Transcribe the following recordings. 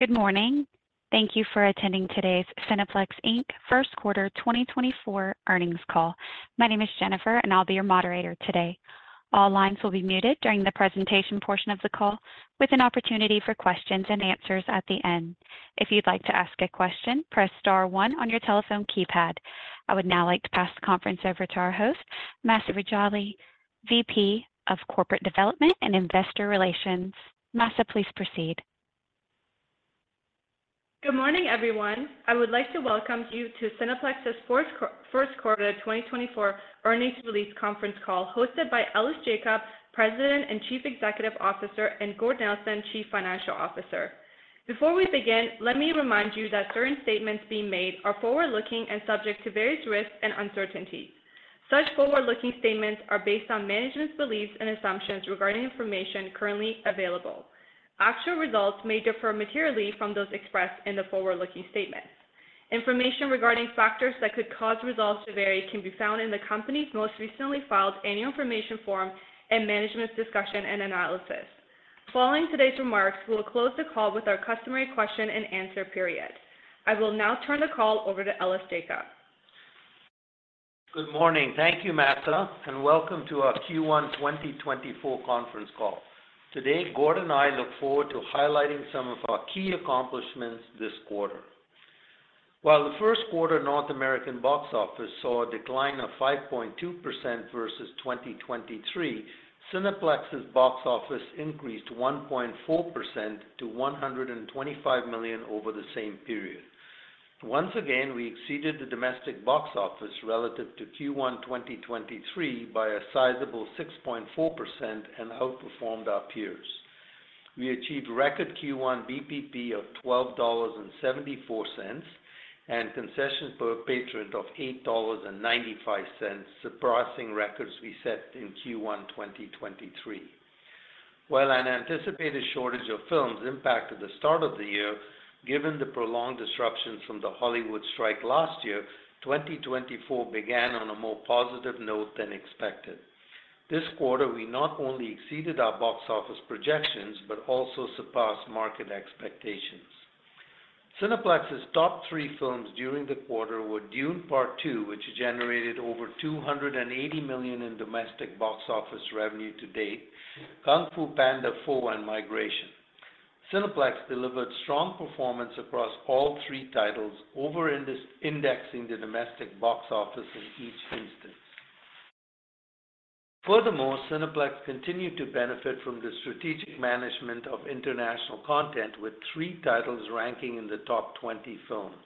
Good morning. Thank you for attending today's Cineplex Inc first quarter 2024 earnings call. My name is Jennifer, and I'll be your moderator today. All lines will be muted during the presentation portion of the call, with an opportunity for questions and answers at the end. If you'd like to ask a question, press star one on your telephone keypad. I would now like to pass the conference over to our host, Mahsa Rejali, VP of Corporate Development and Investor Relations. Mahsa, please proceed. Good morning, everyone. I would like to welcome you to Cineplex's first quarter 2024 earnings release conference call, hosted by Ellis Jacob, President and Chief Executive Officer, and Gord Nelson, Chief Financial Officer. Before we begin, let me remind you that certain statements being made are forward-looking and subject to various risks and uncertainties. Such forward-looking statements are based on management's beliefs and assumptions regarding information currently available. Actual results may differ materially from those expressed in the forward-looking statements. Information regarding factors that could cause results to vary can be found in the company's most recently filed annual information form and management's discussion and analysis. Following today's remarks, we will close the call with our customary question-and-answer period. I will now turn the call over to Ellis Jacob. Good morning. Thank you, Mahsa, and welcome to our Q1 2024 conference call. Today, Gordon and I look forward to highlighting some of our key accomplishments this quarter. While the first quarter North American box office saw a decline of 5.2% versus 2023, Cineplex's box office increased 1.4% to 125 million over the same period. Once again, we exceeded the domestic box office relative to Q1 2023 by a sizable 6.4% and outperformed our peers. We achieved record Q1 BPP of 12.74 dollars, and concessions per patron of 8.95 dollars, surpassing records we set in Q1 2023. While an anticipated shortage of films impacted the start of the year, given the prolonged disruptions from the Hollywood strike last year, 2024 began on a more positive note than expected. This quarter, we not only exceeded our box office projections, but also surpassed market expectations. Cineplex's top three films during the quarter were Dune: Part Two, which generated over $280 million in domestic box office revenue to date, Kung Fu Panda 4, and Migration. Cineplex delivered strong performance across all three titles, over-indexing the domestic box office in each instance. Furthermore, Cineplex continued to benefit from the strategic management of international content with three titles ranking in the top 20 films.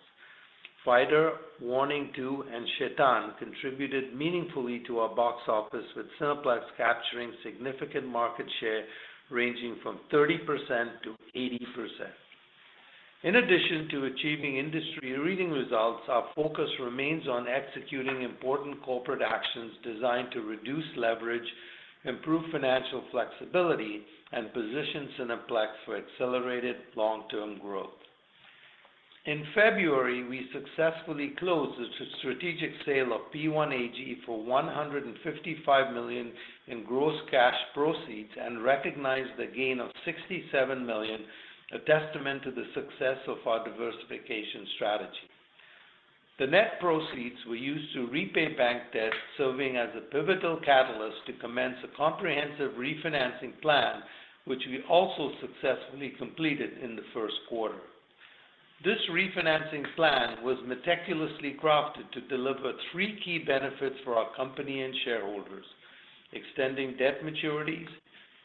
Fighter, Warning 2, and Shaitaan contributed meaningfully to our box office, with Cineplex capturing significant market share ranging from 30%-80%. In addition to achieving industry-leading results, our focus remains on executing important corporate actions designed to reduce leverage, improve financial flexibility, and position Cineplex for accelerated long-term growth. In February, we successfully closed the strategic sale of P1AG for 155 million in gross cash proceeds and recognized the gain of 67 million, a testament to the success of our diversification strategy. The net proceeds were used to repay bank debt, serving as a pivotal catalyst to commence a comprehensive refinancing plan, which we also successfully completed in the first quarter. This refinancing plan was meticulously crafted to deliver three key benefits for our company and shareholders: extending debt maturities,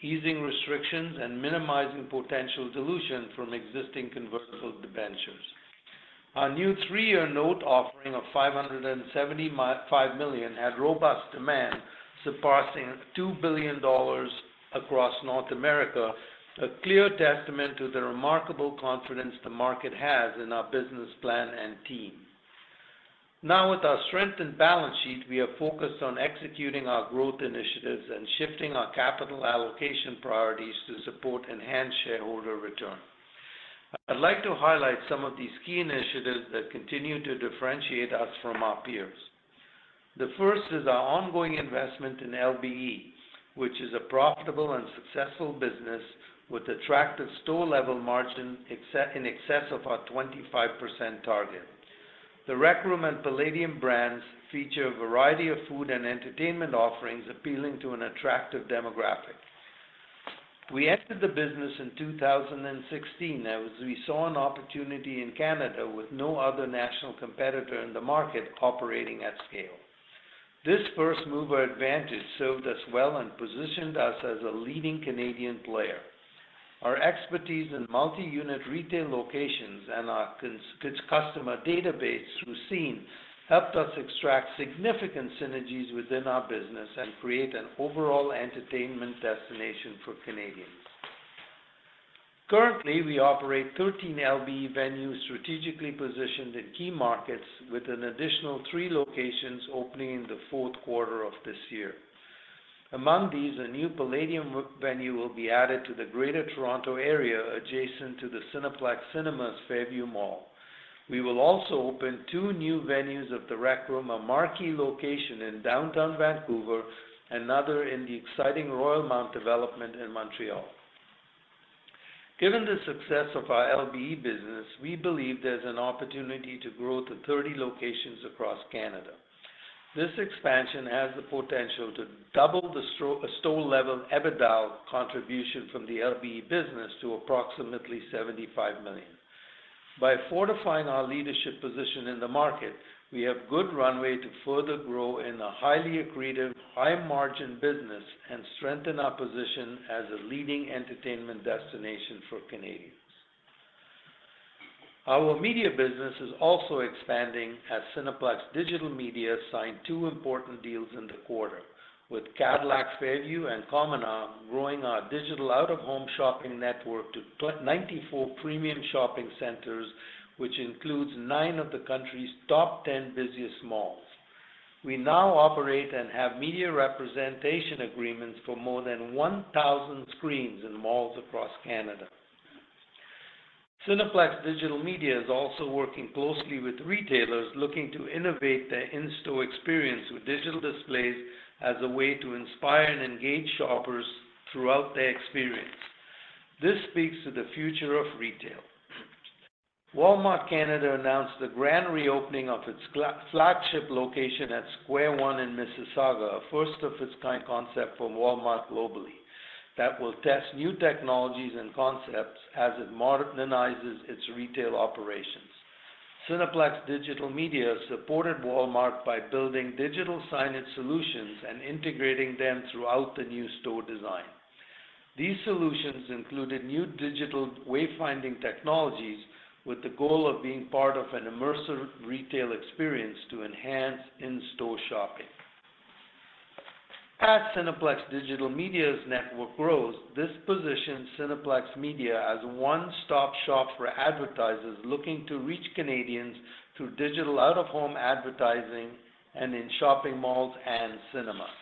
easing restrictions, and minimizing potential dilution from existing convertible debentures. Our new three-year note offering of $575 million had robust demand, surpassing $2 billion across North America, a clear testament to the remarkable confidence the market has in our business plan and team. Now, with our strengthened balance sheet, we are focused on executing our growth initiatives and shifting our capital allocation priorities to support enhanced shareholder return. I'd like to highlight some of these key initiatives that continue to differentiate us from our peers. The first is our ongoing investment in LBE, which is a profitable and successful business with attractive store-level margin excess, in excess of our 25% target. The Rec Room and Playdium brands feature a variety of food and entertainment offerings appealing to an attractive demographic. We entered the business in 2016 as we saw an opportunity in Canada with no other national competitor in the market operating at scale. This first-mover advantage served us well and positioned us as a leading Canadian player. Our expertise in multi-unit retail locations and our customer database through Scene+ helped us extract significant synergies within our business and create an overall entertainment destination for Canadians. Currently, we operate 13 LBE venues strategically positioned in key markets, with an additional three locations opening in the fourth quarter of this year. Among these, a new Playdium venue will be added to the Greater Toronto Area, adjacent to the Cineplex Cinemas Fairview Mall. We will also open two new venues of The Rec Room, a marquee location in downtown Vancouver, another in the exciting Royalmount development in Montreal. Given the success of our LBE business, we believe there's an opportunity to grow to 30 locations across Canada. This expansion has the potential to double the store level EBITDA contribution from the LBE business to approximately 75 million. By fortifying our leadership position in the market, we have good runway to further grow in a highly accretive, high-margin business and strengthen our position as a leading entertainment destination for Canadians. Our media business is also expanding, as Cineplex Digital Media signed two important deals in the quarter with Cadillac Fairview and Cominar, growing our digital out-of-home shopping network to ninety-four premium shopping centers, which includes nine of the country's top ten busiest malls. We now operate and have media representation agreements for more than 1,000 screens in malls across Canada. Cineplex Digital Media is also working closely with retailers looking to innovate their in-store experience with digital displays as a way to inspire and engage shoppers throughout their experience. This speaks to the future of retail. Walmart Canada announced the grand reopening of its flagship location at Square One in Mississauga, a first-of-its-kind concept for Walmart globally, that will test new technologies and concepts as it modernizes its retail operations. Cineplex Digital Media supported Walmart by building digital signage solutions and integrating them throughout the new store design. These solutions included new digital wayfinding technologies with the goal of being part of an immersive retail experience to enhance in-store shopping. As Cineplex Digital Media's network grows, this positions Cineplex Media as a one-stop shop for advertisers looking to reach Canadians through digital out-of-home advertising and in shopping malls and cinemas.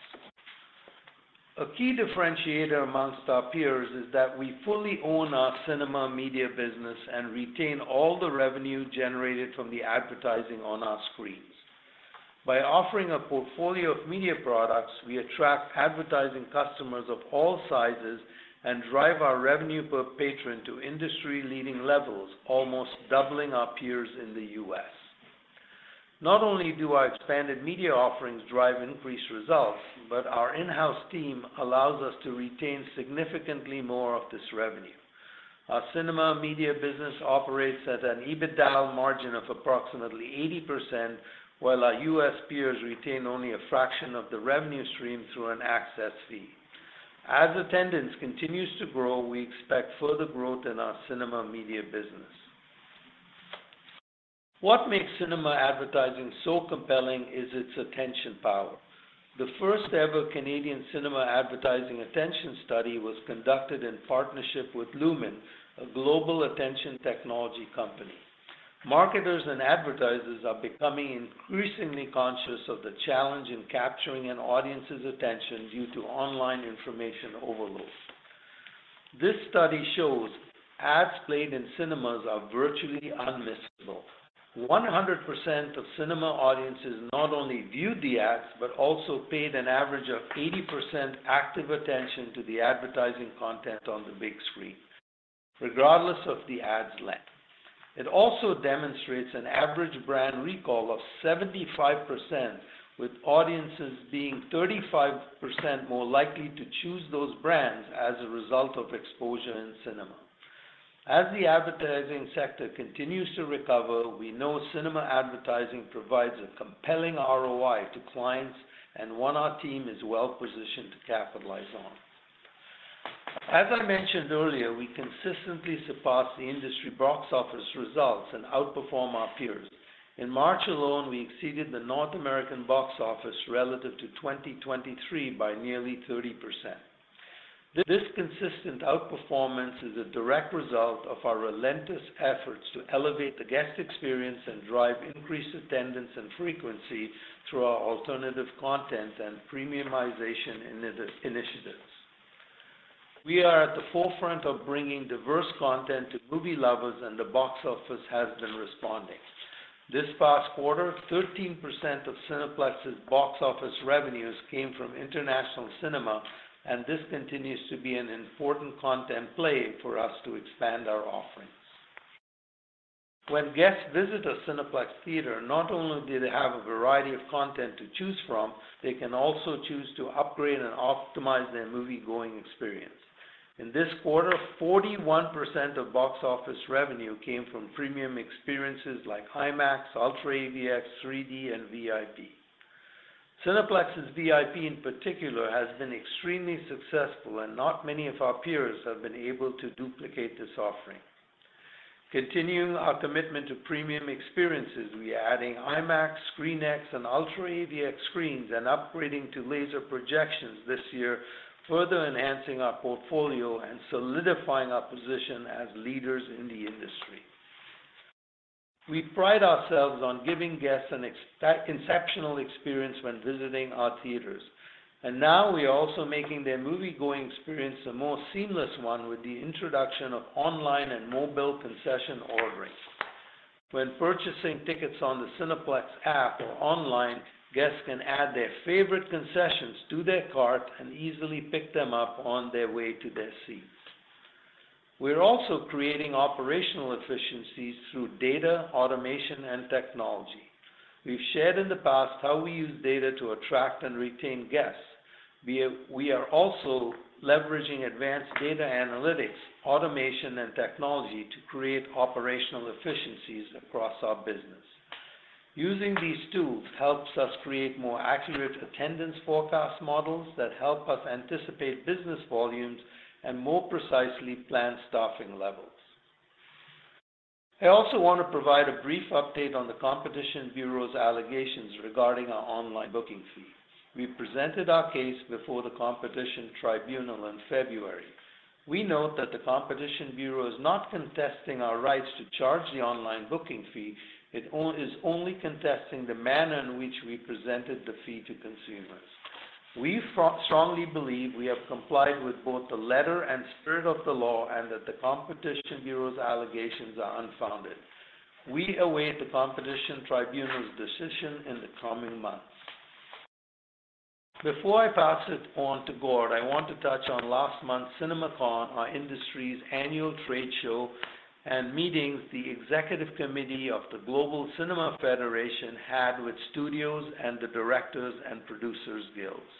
A key differentiator among our peers is that we fully own our cinema media business and retain all the revenue generated from the advertising on our screens. By offering a portfolio of media products, we attract advertising customers of all sizes and drive our revenue per patron to industry-leading levels, almost doubling our peers in the U.S. Not only do our expanded media offerings drive increased results, but our in-house team allows us to retain significantly more of this revenue. Our cinema media business operates at an EBITDA margin of approximately 80%, while our U.S. peers retain only a fraction of the revenue stream through an access fee. As attendance continues to grow, we expect further growth in our cinema media business. What makes cinema advertising so compelling is its attention power. The first-ever Canadian cinema advertising attention study was conducted in partnership with Lumen, a global attention technology company. Marketers and advertisers are becoming increasingly conscious of the challenge in capturing an audience's attention due to online information overload. This study shows ads played in cinemas are virtually unmissable. 100% of cinema audiences not only viewed the ads, but also paid an average of 80% active attention to the advertising content on the big screen, regardless of the ad's length. It also demonstrates an average brand recall of 75%, with audiences being 35% more likely to choose those brands as a result of exposure in cinema. As the advertising sector continues to recover, we know cinema advertising provides a compelling ROI to clients and one our team is well positioned to capitalize on. As I mentioned earlier, we consistently surpass the industry box office results and outperform our peers. In March alone, we exceeded the North American box office relative to 2023 by nearly 30%. This consistent outperformance is a direct result of our relentless efforts to elevate the guest experience and drive increased attendance and frequency through our alternative content and premiumization initiatives. We are at the forefront of bringing diverse content to movie lovers, and the box office has been responding. This past quarter, 13% of Cineplex's box office revenues came from international cinema, and this continues to be an important content play for us to expand our offerings. When guests visit a Cineplex theater, not only do they have a variety of content to choose from, they can also choose to upgrade and optimize their moviegoing experience. In this quarter, 41% of box office revenue came from premium experiences like IMAX, UltraAVX, 3D, and VIP. Cineplex's VIP, in particular, has been extremely successful, and not many of our peers have been able to duplicate this offering. Continuing our commitment to premium experiences, we are adding IMAX, ScreenX, and UltraAVX screens and upgrading to laser projections this year, further enhancing our portfolio and solidifying our position as leaders in the industry. We pride ourselves on giving guests an exceptional experience when visiting our theaters, and now we are also making their moviegoing experience a more seamless one with the introduction of online and mobile concession ordering. When purchasing tickets on the Cineplex app or online, guests can add their favorite concessions to their cart and easily pick them up on their way to their seats. We're also creating operational efficiencies through data, automation, and technology. We've shared in the past how we use data to attract and retain guests. We are also leveraging advanced data analytics, automation, and technology to create operational efficiencies across our business. Using these tools helps us create more accurate attendance forecast models that help us anticipate business volumes and more precisely plan staffing levels. I also want to provide a brief update on the Competition Bureau's allegations regarding our online booking fee. We presented our case before the Competition Tribunal in February. We note that the Competition Bureau is not contesting our rights to charge the online booking fee, it is only contesting the manner in which we presented the fee to consumers. We strongly believe we have complied with both the letter and spirit of the law, and that the Competition Bureau's allegations are unfounded. We await the Competition Tribunal's decision in the coming months. Before I pass it on to Gord, I want to touch on last month's CinemaCon, our industry's annual trade show, and meetings the executive committee of the Global Cinema Federation had with studios and the directors and producers guilds.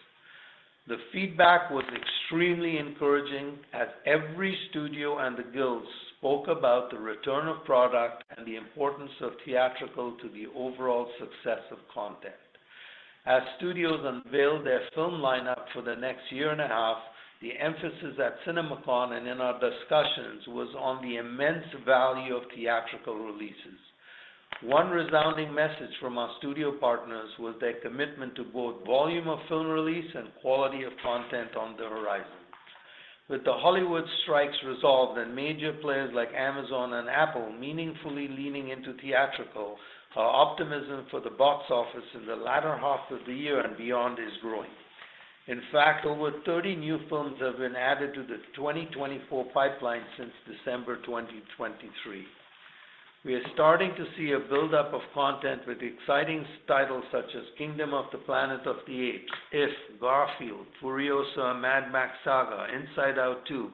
The feedback was extremely encouraging, as every studio and the guilds spoke about the return of product and the importance of theatrical to the overall success of content. As studios unveiled their film lineup for the next year and a half, the emphasis at CinemaCon and in our discussions was on the immense value of theatrical releases. One resounding message from our studio partners was their commitment to both volume of film release and quality of content on the horizon. With the Hollywood strikes resolved, and major players like Amazon and Apple meaningfully leaning into theatrical, our optimism for the box office in the latter half of the year and beyond is growing. In fact, over 30 new films have been added to the 2024 pipeline since December 2023. We are starting to see a buildup of content with exciting titles such as Kingdom of the Planet of the Apes, If, Garfield, Furiosa: A Mad Max Saga, Inside Out 2,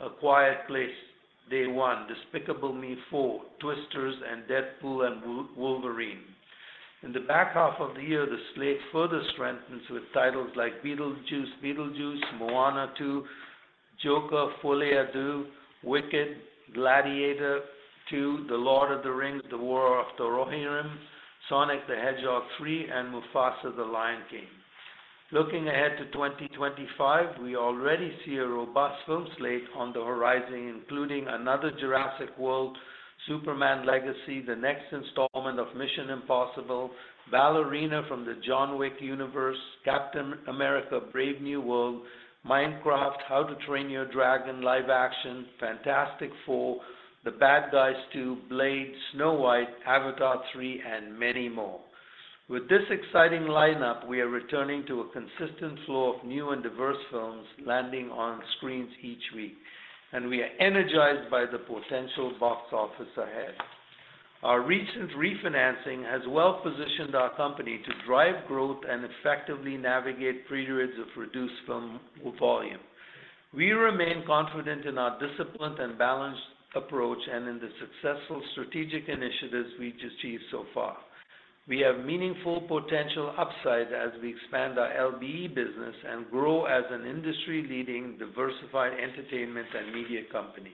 A Quiet Place: Day One, Despicable Me 4, Twisters, and Deadpool & Wolverine. In the back half of the year, the slate further strengthens with titles like Beetlejuice Beetlejuice, Moana 2, Joker: Folie à Deux, Wicked, Gladiator 2, The Lord of the Rings: The War of the Rohirrim, Sonic the Hedgehog 3, and Mufasa: The Lion King. Looking ahead to 2025, we already see a robust film slate on the horizon, including another Jurassic World, Superman: Legacy, the next installment of Mission: Impossible, Ballerina from the John Wick universe, Captain America: Brave New World, Minecraft, How to Train Your Dragon live action, Fantastic Four, The Bad Guys 2, Blade, Snow White, Avatar 3, and many more. With this exciting lineup, we are returning to a consistent flow of new and diverse films landing on screens each week, and we are energized by the potential box office ahead. Our recent refinancing has well-positioned our company to drive growth and effectively navigate periods of reduced film volume. We remain confident in our disciplined and balanced approach, and in the successful strategic initiatives we've achieved so far. We have meaningful potential upside as we expand our LBE business and grow as an industry-leading, diversified entertainment and media company.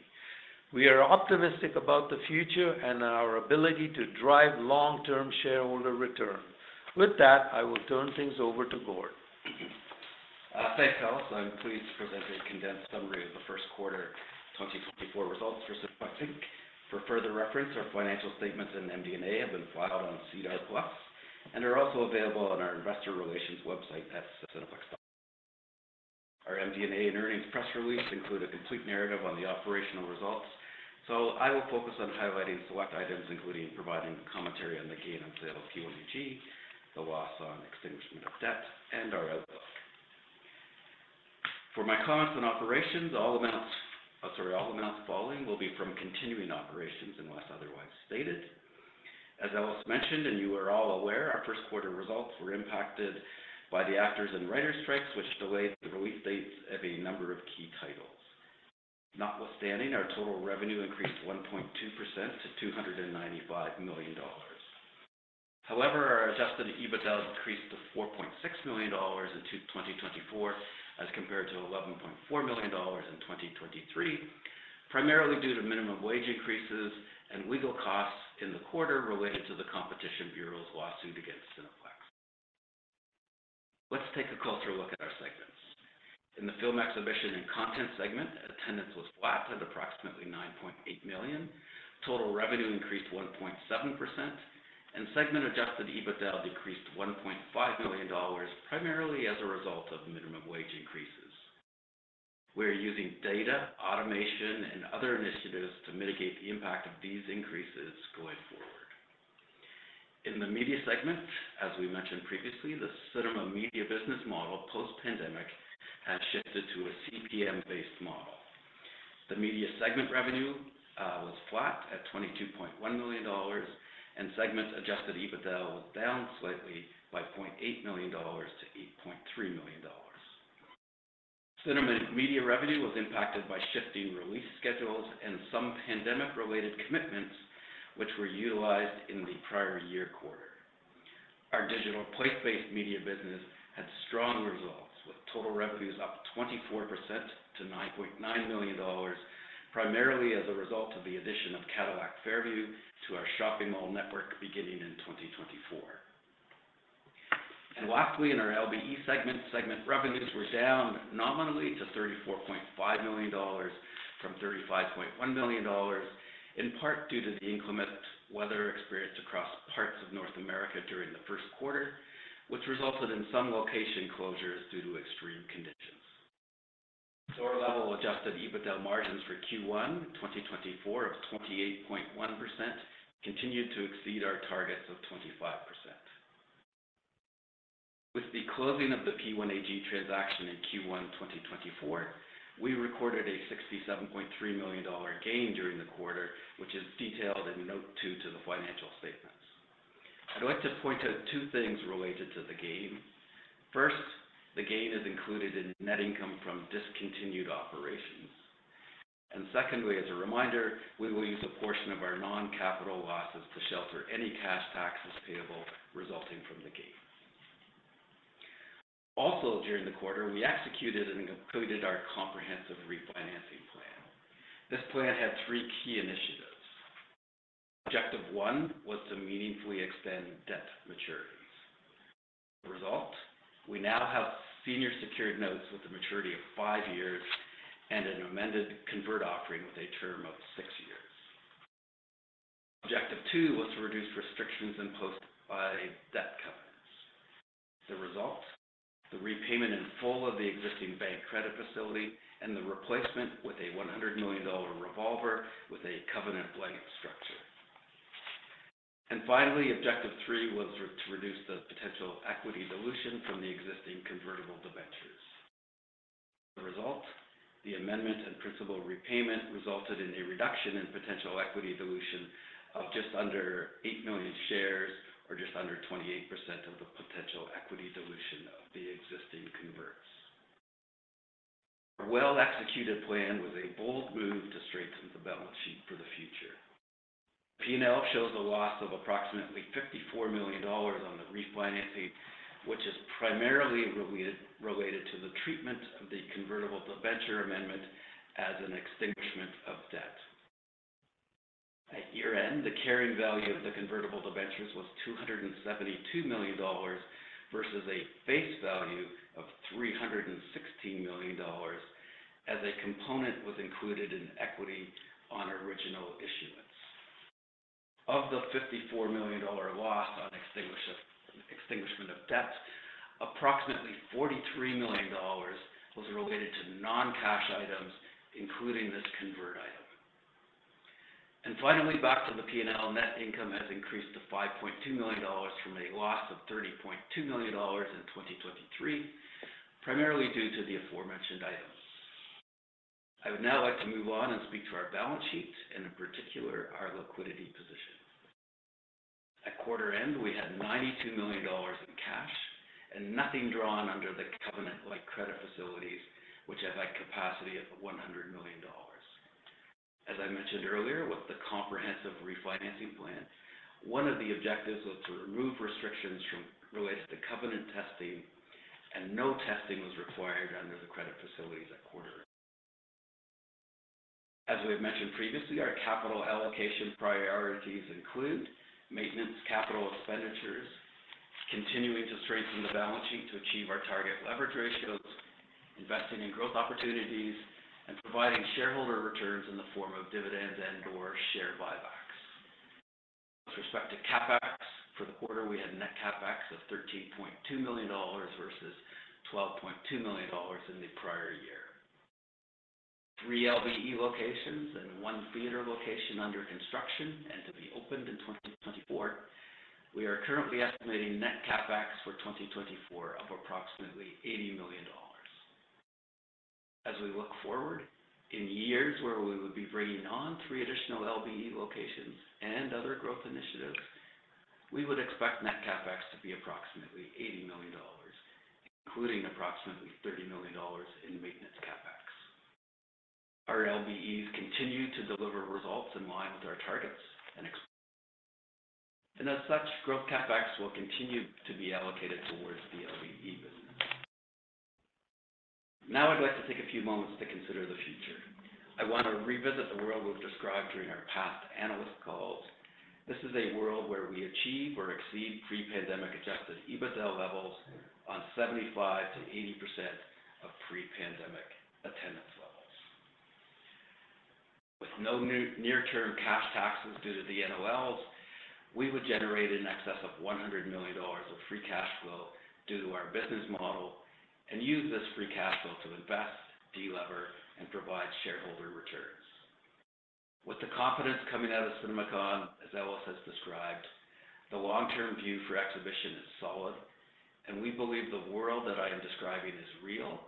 We are optimistic about the future and our ability to drive long-term shareholder return. With that, I will turn things over to Gord. Thanks, Ellis. I'm pleased to present a condensed summary of the first quarter 2024 results for Cineplex Inc. For further reference, our financial statements and MD&A have been filed on SEDAR+ and are also available on our investor relations website at cineplex.com. Our MD&A and earnings press release include a complete narrative on the operational results, so I will focus on highlighting select items, including providing commentary on the gain on sale of P1AG, the loss on extinguishment of debt, and our outlook. For my comments on operations, all amounts, sorry, all amounts following will be from continuing operations unless otherwise stated. As Ellis mentioned, and you are all aware, our first quarter results were impacted by the actors and writers strikes, which delayed the release dates of a number of key titles. Notwithstanding, our total revenue increased 1.2% to 295 million dollars. However, our Adjusted EBITDA decreased to 4.6 million dollars in 2024, as compared to 11.4 million dollars in 2023, primarily due to minimum wage increases and legal costs in the quarter related to the Competition Bureau's lawsuit against Cineplex. Let's take a closer look at our segments. In the film exhibition and content segment, attendance was flat at approximately 9.8 million. Total revenue increased 1.7%, and Segment Adjusted EBITDA decreased 1.5 million dollars, primarily as a result of minimum wage increases. We are using data, automation, and other initiatives to mitigate the impact of these increases going forward. In the media segment, as we mentioned previously, the Cinema Media business model, post-pandemic, has shifted to a CPM-based model. The media segment revenue was flat at 22.1 million dollars, and the segment's Adjusted EBITDA was down slightly by 0.8 million dollars to 8.3 million dollars. Cinema Media revenue was impacted by shifting release schedules and some pandemic-related commitments, which were utilized in the prior year quarter. Our digital place-based media business had strong results, with total revenues up 24% to 9.9 million dollars, primarily as a result of the addition of Cadillac Fairview to our shopping mall network beginning in 2024. Lastly, in our LBE segment, segment revenues were down nominally to 34.5 million dollars from 35.1 million dollars, in part due to the inclement weather experienced across parts of North America during the first quarter, which resulted in some location closures due to extreme conditions. Store-level Adjusted EBITDA margins for Q1 2024 of 28.1% continued to exceed our targets of 25%. With the closing of the P1AG transaction in Q1 2024, we recorded a 67.3 million dollar gain during the quarter, which is detailed in note 2 to the financial statements. I'd like to point out two things related to the gain. First, the gain is included in net income from discontinued operations. And secondly, as a reminder, we will use a portion of our non-capital losses to shelter any cash taxes payable resulting from the gain. Also, during the quarter, we executed and completed our comprehensive refinancing plan. This plan had three key initiatives. Objective 1 was to meaningfully extend debt maturities. The result, we now have senior secured notes with a maturity of 5 years and an amended convert offering with a term of 6 years. Objective two was to reduce restrictions imposed by debt covenants. The result, the repayment in full of the existing bank credit facility and the replacement with a 100 million dollar revolver with a covenant-lite structure. And finally, objective three was to reduce the potential equity dilution from the existing convertible debentures. The result, the amendment and principal repayment resulted in a reduction in potential equity dilution of just under 80 million shares or just under 28% of the potential equity dilution of the existing converts. A well-executed plan was a bold move to strengthen the balance sheet for the future. P&L shows a loss of approximately 54 million dollars on the refinancing, which is primarily related to the treatment of the convertible debenture amendment as an extinguishment of debt. At year-end, the carrying value of the convertible debentures was 272 million dollars versus a face value of 316 million dollars, as a component was included in equity on original issuance. Of the 54 million dollar loss on extinguishment of debt, approximately 43 million dollars was related to non-cash items, including this convert item. Finally, back to the P&L. Net income has increased to 5.2 million dollars from a loss of 30.2 million dollars in 2023, primarily due to the aforementioned items. I would now like to move on and speak to our balance sheet, and in particular, our liquidity position. At quarter end, we had 92 million dollars in cash and nothing drawn under the covenant-lite credit facilities, which have a capacity of 100 million dollars. As I mentioned earlier, with the comprehensive refinancing plan, one of the objectives was to remove restrictions related to covenant testing, and no testing was required under the credit facilities at quarter end. As we've mentioned previously, our capital allocation priorities include maintenance, capital expenditures, continuing to strengthen the balance sheet to achieve our target leverage ratios, investing in growth opportunities, and providing shareholder returns in the form of dividends and/or share buybacks. With respect to CapEx, for the quarter, we had net CapEx of 13.2 million dollars versus 12.2 million dollars in the prior year. Three LBE locations and one theater location under construction and to be opened in 2024. We are currently estimating net CapEx for 2024 of approximately 80 million dollars. As we look forward, in years where we would be bringing on three additional LBE locations and other growth initiatives, we would expect net CapEx to be approximately 80 million dollars, including approximately 30 million dollars in maintenance CapEx. Our LBEs continue to deliver results in line with our targets and as such, growth CapEx will continue to be allocated towards the LBE business. Now, I'd like to take a few moments to consider the future. I want to revisit the world we've described during our past analyst calls. This is a world where we achieve or exceed pre-pandemic Adjusted EBITDA levels on 75%-80% of pre-pandemic attendance levels. With no new near-term cash taxes due to the NOLs, we would generate in excess of 100 million dollars of free cash flow due to our business model and use this free cash flow to invest, delever, and provide shareholder returns. With the confidence coming out of CinemaCon, as Ellis has described, the long-term view for exhibition is solid, and we believe the world that I am describing is real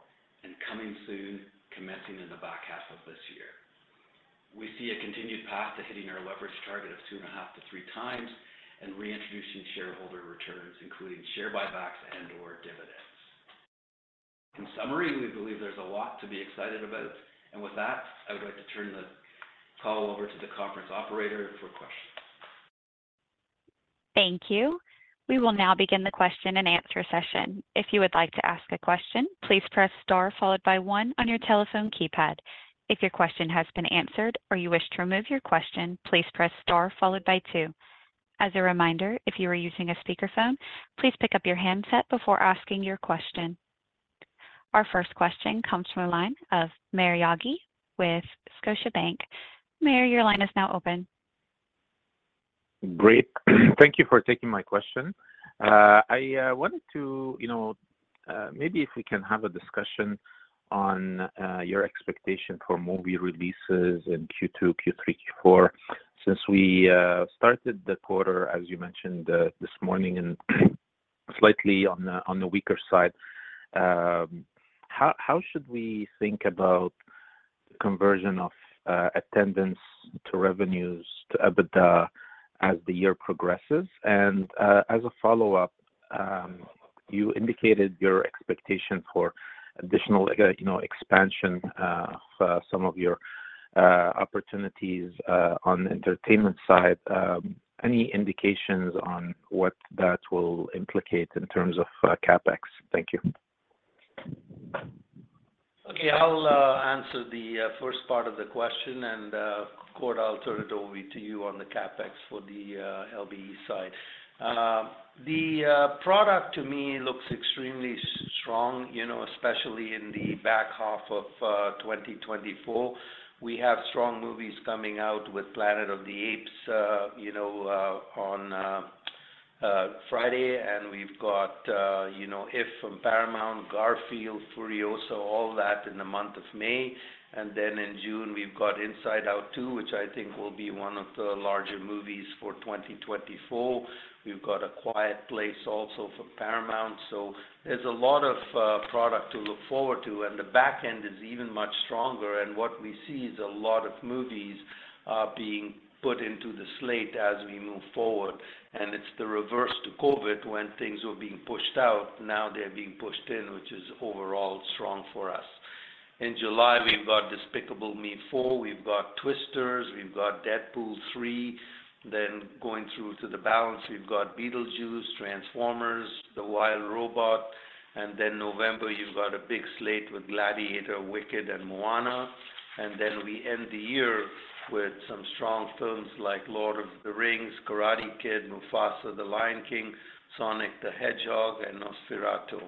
and coming soon, commencing in the back half of this year. We see a continued path to hitting our leverage target of 2.5-3 times, and reintroducing shareholder returns, including share buybacks and or dividends. In summary, we believe there's a lot to be excited about. With that, I would like to turn the call over to the conference operator for questions. Thank you. We will now begin the question and answer session. If you would like to ask a question, please press Star, followed by one on your telephone keypad. If your question has been answered or you wish to remove your question, please press Star followed by two. As a reminder, if you are using a speakerphone, please pick up your handset before asking your question. Our first question comes from the line of Maher Yaghi with Scotiabank. Maher, your line is now open. Great. Thank you for taking my question. I wanted to, you know, maybe if we can have a discussion on your expectation for movie releases in Q2, Q3, Q4. Since we started the quarter, as you mentioned, this morning, and slightly on the weaker side, how should we think about the conversion of attendance to revenues, to EBITDA as the year progresses? And, as a follow-up, you indicated your expectation for additional, you know, expansion, for some of your opportunities, on the entertainment side. Any indications on what that will implicate in terms of CapEx? Thank you. Okay. I'll answer the first part of the question, and, Gord, I'll turn it over to you on the CapEx for the LBE side. The product to me looks extremely strong, you know, especially in the back half of 2024. We have strong movies coming out with Planet of the Apes, you know, on Friday. And we've got, you know, If from Paramount, Garfield, Furiosa, all that in the month of May. And then in June, we've got Inside Out 2, which I think will be one of the larger movies for 2024. We've got A Quiet Place also from Paramount. So there's a lot of product to look forward to, and the back end is even much stronger. And what we see is a lot of movies being put into the slate as we move forward, and it's the reverse to COVID, when things were being pushed out, now they're being pushed in, which is overall strong for us. In July, we've got Despicable Me 4, we've got Twisters, we've got Deadpool 3. Then going through to the balance, we've got Beetlejuice, Transformers, The Wild Robot, and then November, you've got a big slate with Gladiator, Wicked, and Moana. And then we end the year with some strong films like Lord of the Rings, Karate Kid, Mufasa: The Lion King, Sonic the Hedgehog, and Nosferatu.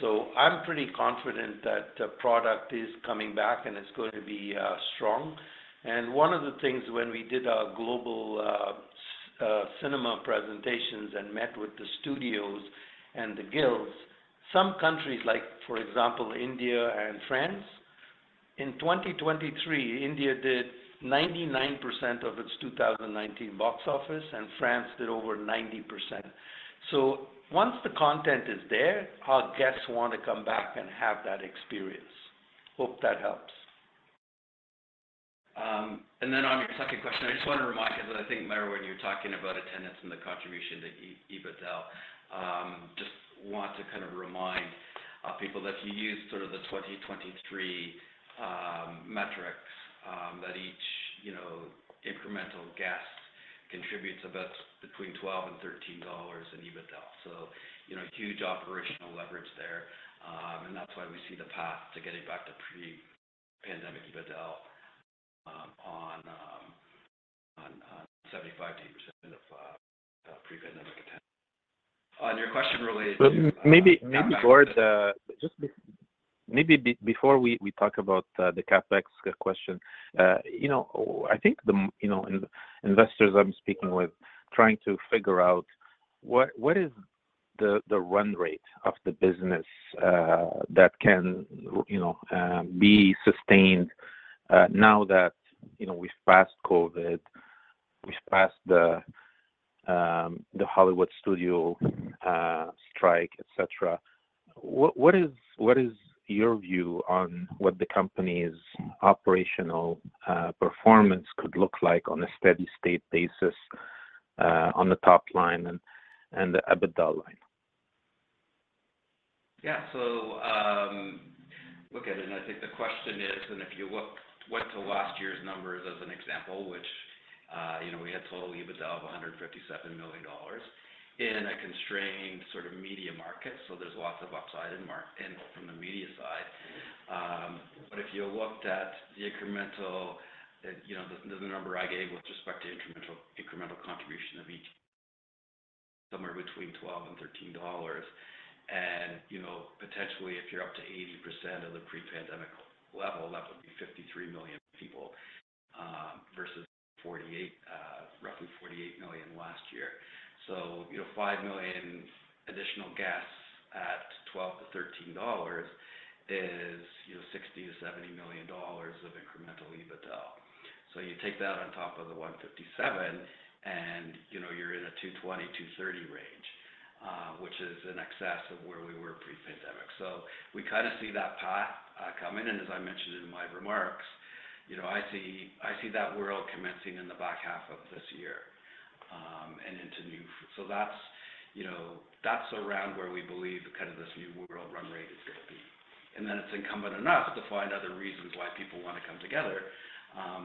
So I'm pretty confident that the product is coming back and it's going to be strong. One of the things, when we did our global cinema presentations and met with the studios and the guilds, some countries, like, for example, India and France, in 2023, India did 99% of its 2019 box office, and France did over 90%. So once the content is there, our guests want to come back and have that experience. Hope that helps. And then on your second question, I just want to remind you that I think, Maher, when you're talking about attendance and the contribution to EBITDA, just want to kind of remind people that if you use sort of the 2023 metrics, that each, you know, incremental guest contributes about between 12 and 13 dollars in EBITDA. So, you know, huge operational leverage there. And that's why we see the path to getting back to pre-pandemic EBITDA on 75-80% of pre-pandemic attendance. On your question related to- Well, maybe, maybe Gord, just maybe before we, we talk about, the CapEx question, you know, I think the, you know, investors I'm speaking with, trying to figure out what, what is the, the run rate of the business, that can, you know, be sustained, now that, you know, we've passed COVID, we've passed the, the Hollywood studio, strike, et cetera. What, what is, what is your view on what the company's operational, performance could look like on a steady state basis, on the top line and, and the EBITDA line? Yeah. So, look at it, and I think the question is, and if you look went to last year's numbers as an example, which, you know, we had total EBITDA of 157 million dollars in a constrained sort of media market. So there's lots of upside in from the media side. But if you looked at the incremental, you know, the, the number I gave with respect to incremental, incremental contribution of each, somewhere between 12-13 dollars. And, you know, potentially, if you're up to 80% of the pre-pandemic level, that would be 53 million people. Roughly 48 million last year. So, you know, 5 million additional guests at 12-13 dollars is, you know, 60 million-70 million dollars of incremental EBITDA. So you take that on top of the 157, and, you know, you're in a 220-230 range, which is in excess of where we were pre-pandemic. So we kind of see that path coming in. As I mentioned in my remarks, you know, I see that world commencing in the back half of this year, and into new. So that's, you know, that's around where we believe kind of this new world run rate is gonna be. And then it's incumbent enough to find other reasons why people wanna come together,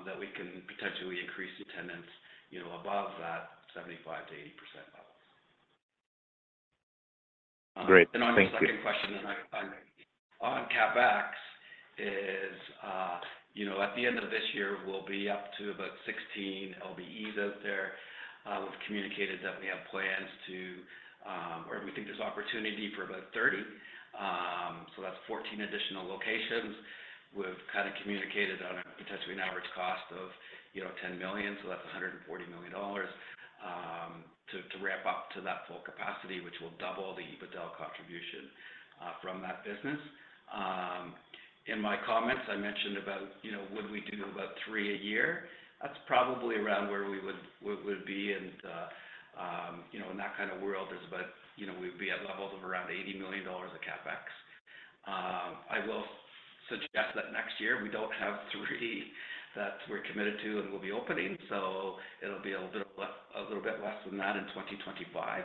that we can potentially increase attendance, you know, above that 75%-80% level. Great. Thank you. And on the second question, on CapEx is, you know, at the end of this year, we'll be up to about 16 LBEs out there. We've communicated that we have plans to, or we think there's opportunity for about 30. So that's 14 additional locations. We've kind of communicated on a potentially an average cost of, you know, 10 million, so that's 140 million dollars, to ramp up to that full capacity, which will double the EBITDA contribution from that business. In my comments, I mentioned about, you know, would we do about 3 a year? That's probably around where we would be in the, you know, in that kind of world is about, you know, we'd be at levels of around 80 million dollars of CapEx. I will suggest that next year we don't have 3 that we're committed to and will be opening, so it'll be a little bit less, a little bit less than that in 2025.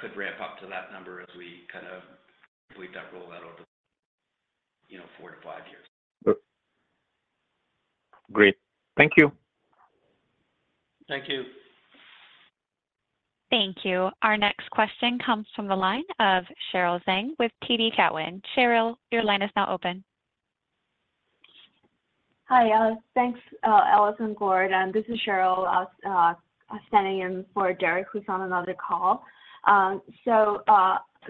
Could ramp up to that number as we kind of roll that over, you know, 4-5 years. Good. Great. Thank you. Thank you. Thank you. Our next question comes from the line of Cheryl Zeng with TD Cowen. Cheryl, your line is now open. Hi, thanks, Ellis and Gord. This is Cheryl, standing in for Derek, who's on another call. So,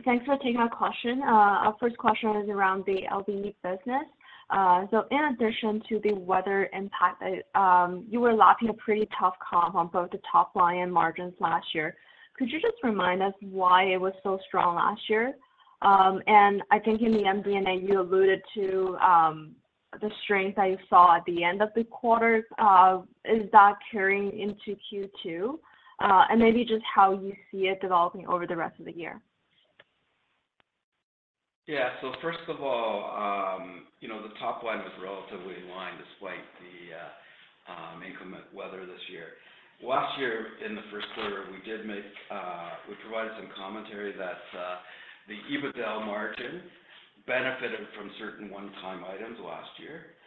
thanks for taking our question. Our first question is around the LBE business. So in addition to the weather impact that, you were lacking a pretty tough comp on both the top line and margins last year. Could you just remind us why it was so strong last year? And I think in the MD&A, you alluded to, the strength that you saw at the end of the quarter. Is that carrying into Q2? And maybe just how you see it developing over the rest of the year. Yeah. So first of all, you know, the top line was relatively in line despite the inclement weather this year. Last year, in the first quarter, we did make—we provided some commentary that the EBITDA margin benefited from certain one-time items last year,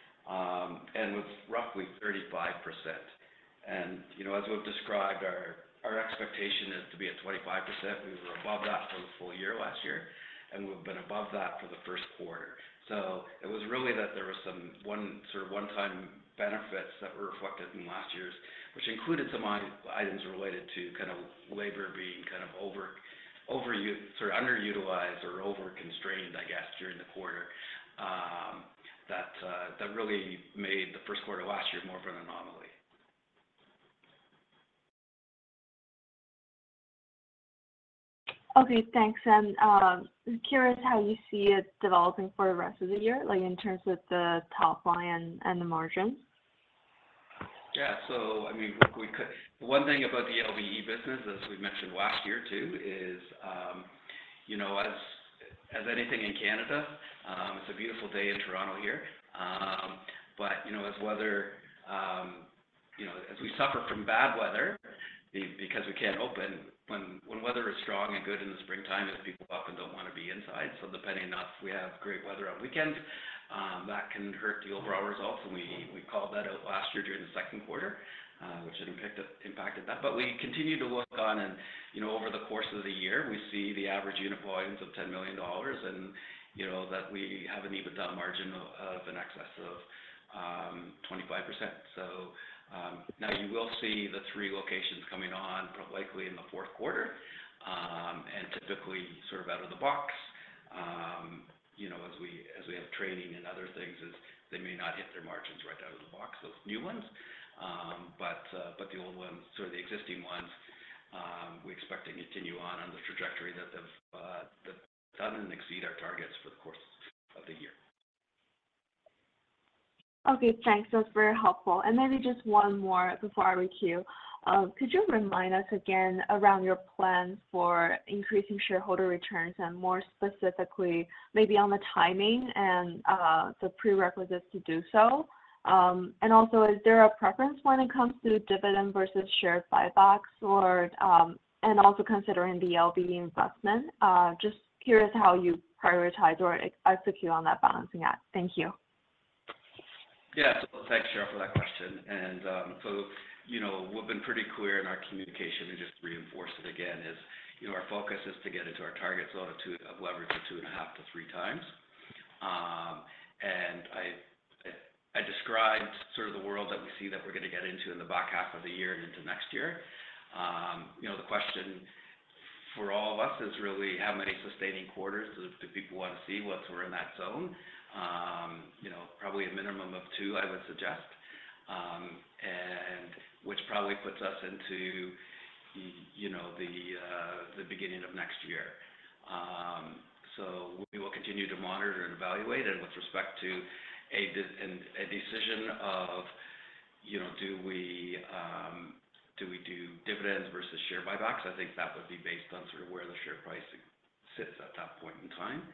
and was roughly 35%. And, you know, as we've described, our expectation is to be at 25%. We were above that for the full year last year, and we've been above that for the first quarter. So it was really that there was some one, sort of one-time benefits that were reflected in last year's, which included some items related to kind of labor being kind of over, sorry, underutilized or over constrained, I guess, during the quarter. That really made the first quarter last year more of an anomaly. Okay, thanks. Curious how you see it developing for the rest of the year, like in terms of the top line and the margin? Yeah. So I mean, one thing about the LBE business, as we mentioned last year, too, is, you know, as anything in Canada, it's a beautiful day in Toronto here. But, you know, as weather, you know, as we suffer from bad weather, because we can't open. When weather is strong and good in the springtime, as people often don't wanna be inside. So depending on if we have great weather on weekend, that can hurt the overall results, and we called that out last year during the second quarter, which had impacted that. But we continue to work on and, you know, over the course of the year, we see the average unit volumes of 10 million dollars, and, you know, that we have an EBITDA margin of in excess of 25%. Now you will see the three locations coming on, likely in the fourth quarter, and typically sort of out of the box. You know, as we have training and other things, they may not hit their margins right out of the box, those new ones. But the old ones or the existing ones, we expect to continue on the trajectory that they've that doesn't exceed our targets for the course of the year. Okay, thanks. That was very helpful. And maybe just one more before I queue. Could you remind us again around your plans for increasing shareholder returns, and more specifically, maybe on the timing and, the prerequisites to do so? And also, is there a preference when it comes to dividend versus share buybacks or, and also considering the LBE investment? Just curious how you prioritize or execute on that balancing act. Thank you. Yeah. So thanks, Cheryl, for that question. So, you know, we've been pretty clear in our communication and just to reinforce it again, you know, our focus is to get into our targets of leverage of 2.5-3 times. I described sort of the world that we see that we're gonna get into in the back half of the year and into next year. You know, the question for all of us is really how many sustaining quarters do people want to see once we're in that zone? You know, probably a minimum of two, I would suggest. And which probably puts us into, you know, the beginning of next year. So we will continue to monitor and evaluate. With respect to a decision of, you know, do we do dividends versus share buybacks? I think that would be based on sort of where the share price sits at that point in time.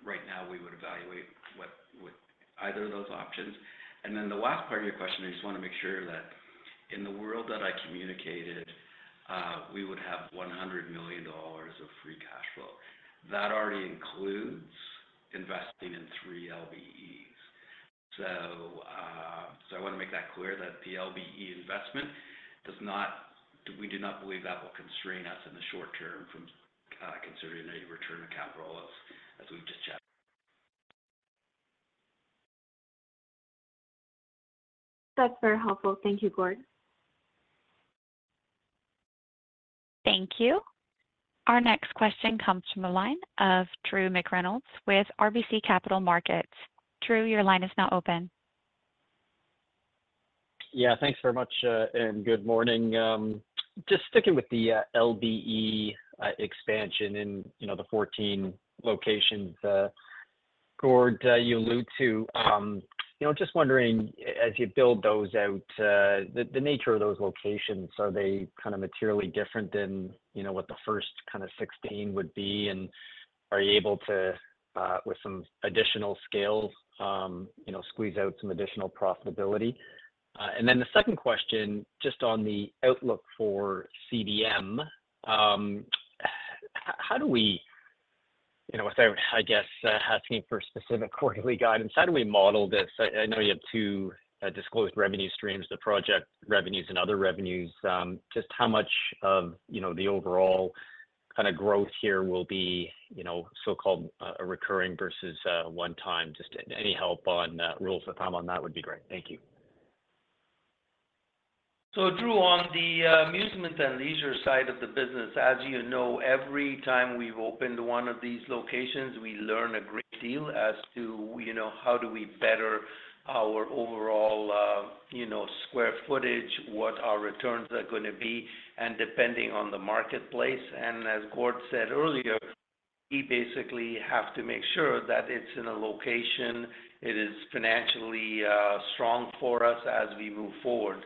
Right now, we would evaluate what would either of those options. And then the last part of your question, I just want to make sure that in the world that I communicated, we would have 100 million dollars of free cash flow. That already includes investing in 3 LBEs. So, so I want to make that clear that the LBE investment does not we do not believe that will constrain us in the short term from considering any return on capital as we've just checked. That's very helpful. Thank you, Gord. Thank you. Our next question comes from the line of Drew McReynolds with RBC Capital Markets. Drew, your line is now open. Yeah, thanks very much, and good morning. Just sticking with the LBE expansion in, you know, the 14 locations, Gord, you allude to, you know, just wondering, as you build those out, the nature of those locations, are they kind of materially different than, you know, what the first kind of 16 would be? And are you able to, with some additional scale, you know, squeeze out some additional profitability? And then the second question, just on the outlook for CDM, how do we, you know, without, I guess, asking for specific quarterly guidance, how do we model this? I know you have two disclosed revenue streams, the project revenues and other revenues. Just how much of, you know, the overall kind of growth here will be, you know, so-called, recurring versus, one time? Just any help on, rules of thumb on that would be great. Thank you. So, Drew, on the amusement and leisure side of the business, as you know, every time we've opened one of these locations, we learn a great deal as to, you know, how do we better our overall, you know, square footage, what our returns are gonna be, and depending on the marketplace. And as Gord said earlier, we basically have to make sure that it's in a location, it is financially strong for us as we move forward.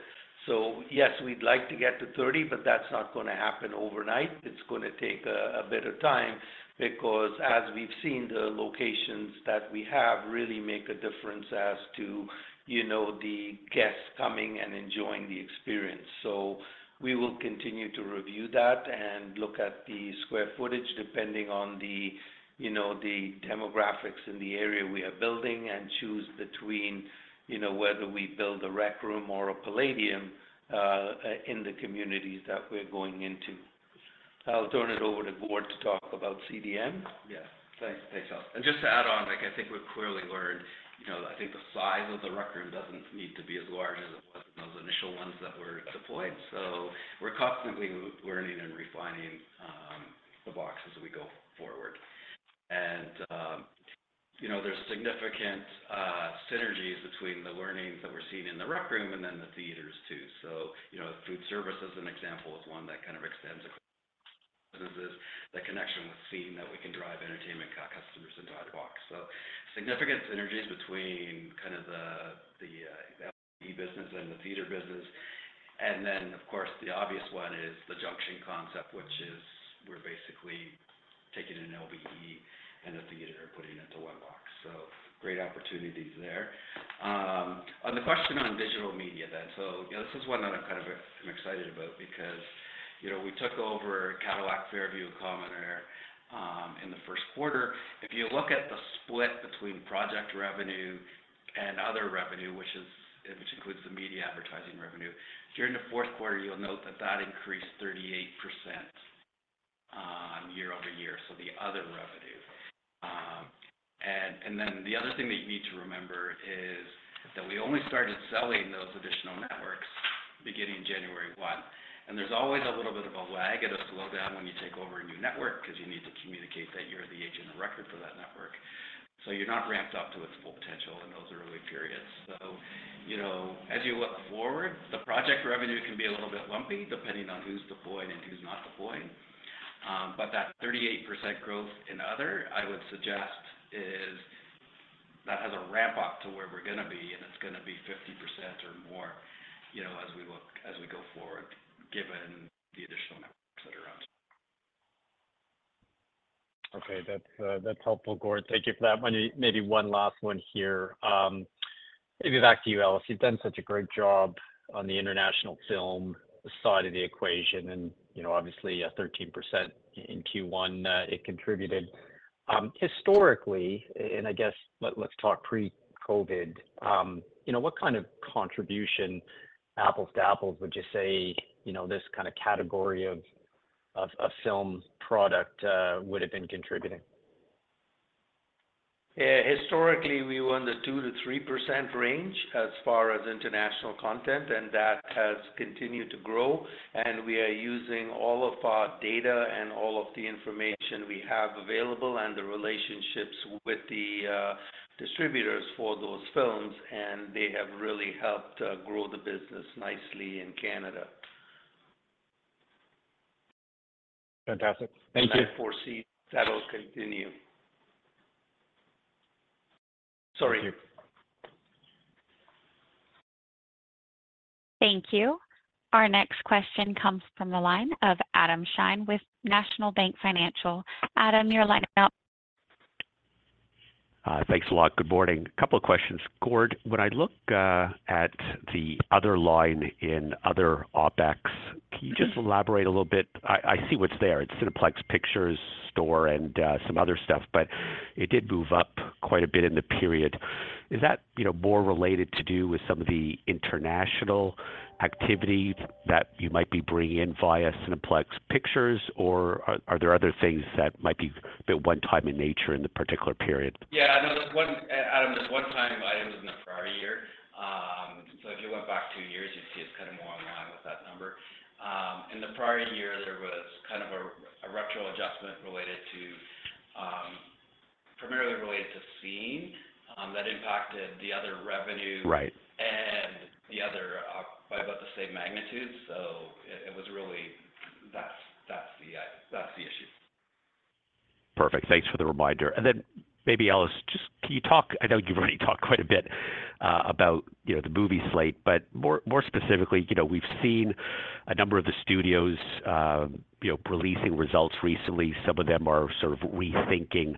So yes, we'd like to get to 30, but that's not gonna happen overnight. It's gonna take a bit of time because as we've seen, the locations that we have really make a difference as to, you know, the guests coming and enjoying the experience. So we will continue to review that and look at the square footage, depending on the, you know, the demographics in the area we are building, and choose between, you know, whether we build a Rec Room or a Playdium, in the communities that we're going into. I'll turn it over to Gord to talk about CDM. Yeah. Thanks. Thanks, Ellis. And just to add on, like, I think we've clearly learned, you know, I think the size of the Rec Room doesn't need to be as large as it was in those initial ones that were deployed. So we're constantly learning and refining the box as we go forward. And you know, there's significant synergies between the learnings that we're seeing in the Rec Room and then the theaters too. So, you know, food service, as an example, is one that kind of extends across businesses, that connection with seeing that we can drive entertainment co-customers into the box. So significant synergies between kind of the LBE business and the theater business. And then, of course, the obvious one is the Junxion concept, which is we're basically taking an LBE and a theater, putting it into one box. So great opportunities there. On the question on digital media then, so, you know, this is one that I'm kind of, I'm excited about because, you know, we took over Cadillac Fairview and Cominar in the first quarter. If you look at the split between project revenue and other revenue, which includes the media advertising revenue, during the fourth quarter, you'll note that that increased 38% year-over-year, so the other revenue. And then the other thing that you need to remember is that we only started selling those additional networks beginning January 1, and there's always a little bit of a lag and a slowdown when you take over a new network because you need to communicate that you're the agent of record for that network. So you're not ramped up to its full potential in those early periods. So, you know, as you look forward, the project revenue can be a little bit lumpy, depending on who's deployed and who's not deployed. But that 38% growth in other, I would suggest, is... That has a ramp up to where we're gonna be, and it's gonna be 50% or more, you know, as we go forward, given the additional networks that are out. Okay. That's helpful, Gord. Thank you for that. Maybe one last one here. Maybe back to you, Ellis. You've done such a great job on the international film side of the equation, and, you know, obviously, a 13% in Q1, it contributed. Historically, and I guess let's talk pre-COVID, you know, what kind of contribution, apples to apples, would you say, you know, this kind of category of film product would have been contributing? Yeah, historically, we were in the 2%-3% range as far as international content, and that has continued to grow, and we are using all of our data and all of the information we have available, and the relationships with the distributors for those films, and they have really helped grow the business nicely in Canada. Fantastic. Thank you. I foresee that will continue. Sorry. Thank you. Thank you. Our next question comes from the line of Adam Shine with National Bank Financial. Adam, your line is now- Thanks a lot. Good morning. A couple of questions. Gord, when I look at the other line in other OpEx, can you just elaborate a little bit? I see what's there. It's Cineplex Pictures, Store, and some other stuff, but it did move up quite a bit in the period. Is that, you know, more related to do with some of the international activity that you might be bringing in via Cineplex Pictures, or are there other things that might be a bit one-time in nature in the particular period? Yeah, no, Adam, there's one-time items in the prior year. So if you went back two years, you'd see it's kind of more in line with that number. In the prior year, there was kind of a retro adjustment related to, primarily related to Scene, that impacted the other revenue- Right. And the other op by about the same magnitude. So it was really that's the issue. Perfect. Thanks for the reminder. And then maybe, Ellis, just can you talk... I know you've already talked quite a bit about, you know, the movie slate, but more, more specifically, you know, we've seen a number of the studios, you know, releasing results recently. Some of them are sort of rethinking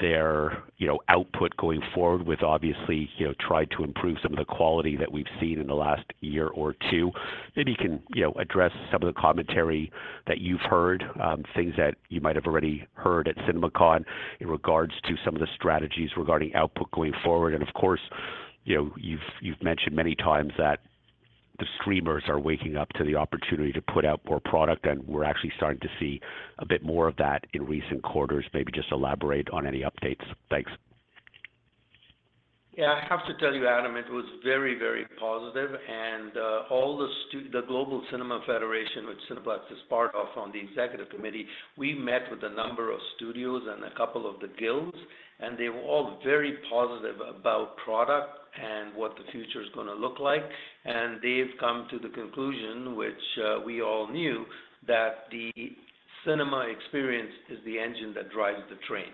their, you know, output going forward with obviously, you know, try to improve some of the quality that we've seen in the last year or two. Maybe you can, you know, address some of the commentary that you've heard, things that you might have already heard at CinemaCon in regards to some of the strategies regarding output going forward. Of course, you know, you've mentioned many times that the streamers are waking up to the opportunity to put out more product, and we're actually starting to see a bit more of that in recent quarters. Maybe just elaborate on any updates. Thanks. Yeah, I have to tell you, Adam, it was very, very positive. And the Global Cinema Federation, which Cineplex is part of on the executive committee, we met with a number of studios and a couple of the guilds, and they were all very positive about product and what the future is gonna look like. And they've come to the conclusion, which we all knew, that the cinema experience is the engine that drives the train.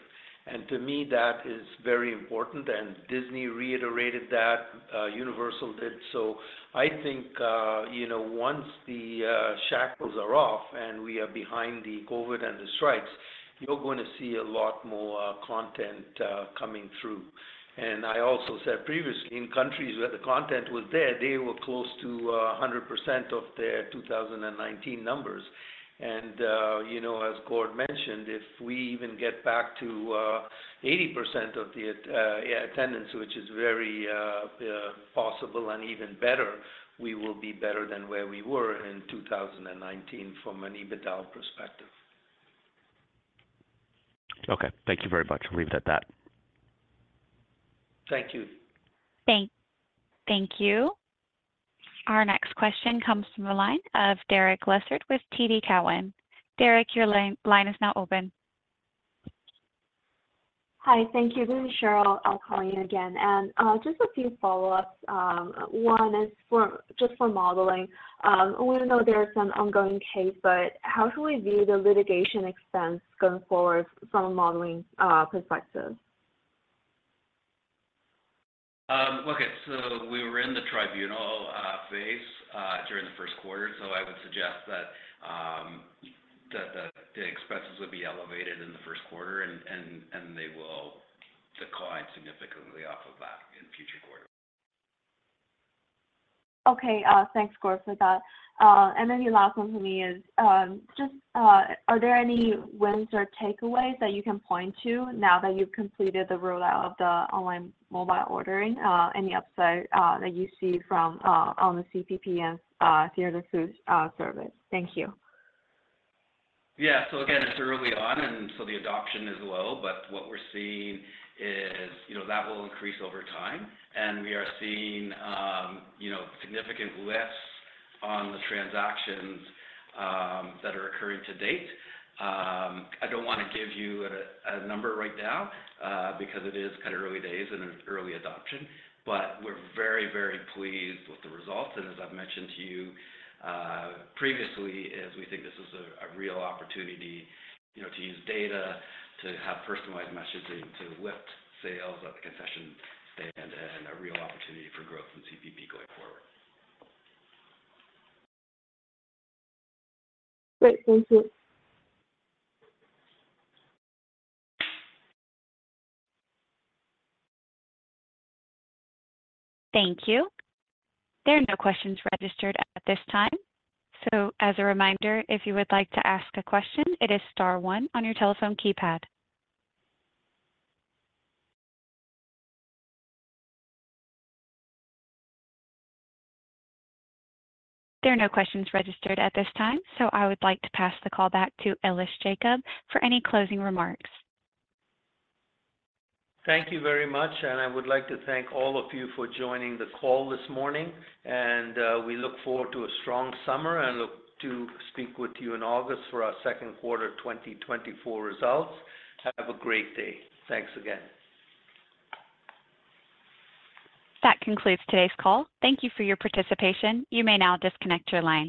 And to me, that is very important, and Disney reiterated that, Universal did. So I think, you know, once the shackles are off and we are behind the COVID and the strikes, you're going to see a lot more content coming through. I also said previously, in countries where the content was dead, they were close to 100% of their 2019 numbers. You know, as Gord mentioned, if we even get back to 80% of the attendance, which is very possible and even better, we will be better than where we were in 2019 from an EBITDA perspective. Okay, thank you very much. I'll leave it at that. Thank you. Thank you. Our next question comes from the line of Derek Lessard with TD Cowen. Derek, your line is now open. Hi, thank you. This is Cheryl. I'll call you again. And just a few follow-ups. One is, just for modeling. We know there is some ongoing case, but how do we view the litigation expense going forward from a modeling perspective? Okay. So we were in the tribunal phase during the first quarter. So I would suggest that the expenses would be elevated in the first quarter and they will decline significantly off of that in future quarters. Okay. Thanks, Gord, for that. And then the last one for me is, just, are there any wins or takeaways that you can point to now that you've completed the rollout of the online mobile ordering, any upside that you see from on the CPP and theater food service? Thank you. Yeah. So again, it's early on, and so the adoption is low, but what we're seeing is, you know, that will increase over time, and we are seeing, you know, significant lifts on the transactions that are occurring to date. I don't want to give you a, a number right now, because it is kind of early days and an early adoption, but we're very, very pleased with the results. And as I've mentioned to you, previously, is we think this is a, a real opportunity, you know, to use data, to have personalized messaging, to lift sales at the concession stand and a real opportunity for growth in CPP going forward. Great. Thank you. Thank you. There are no questions registered at this time. As a reminder, if you would like to ask a question, it is star one on your telephone keypad. There are no questions registered at this time, so I would like to pass the call back to Ellis Jacob for any closing remarks. Thank you very much, and I would like to thank all of you for joining the call this morning, and we look forward to a strong summer and look to speak with you in August for our second quarter 2024 results. Have a great day. Thanks again. That concludes today's call. Thank you for your participation. You may now disconnect your line.